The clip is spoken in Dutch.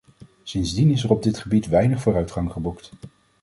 Sindsdien is er op dit gebied weinig vooruitgang geboekt.